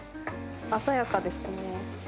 鮮やかですね。